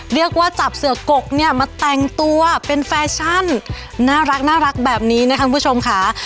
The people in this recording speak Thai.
เรียกว่าจับเสือกกเนี่ยมาแต่งตัวเป็นแฟชั่นน่ารักแบบนี้นะคะคุณผู้ชมค่ะ